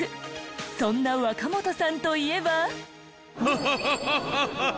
そんな若本さんといえば。